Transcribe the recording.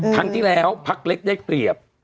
ครั้งที่แล้วพักเล็กได้เปรียบ